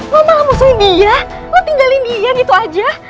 lo malah musuhin dia lo tinggalin dia gitu aja